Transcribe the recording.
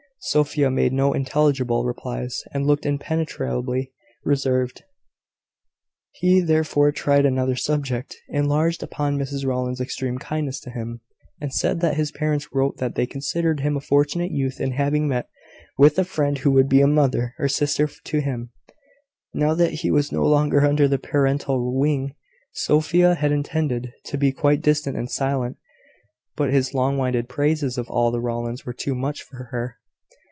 Sophia made no intelligible replies, and looked impenetrably reserved; he therefore tried another subject, enlarged upon Mrs Rowland's extreme kindness to him, and said that his parents wrote that they considered him a fortunate youth in having met with a friend who would be a mother or sister to him, now that he was no longer under the parental wing. Sophia had intended to be quite distant and silent, but his long winded praises of all the Rowlands were too much for her.